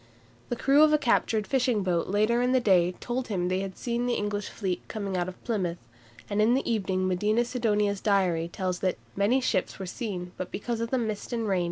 " The crew of a captured fishing boat later in the day told him they had seen the English fleet coming out of Plymouth, and in the evening Medina Sidonia's diary tells that "many ships were seen, but because of the mist and rain we were unable to count them."